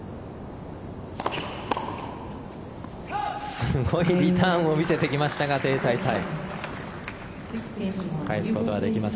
すごいリターンを見せてきましたがテイ・サイサイ。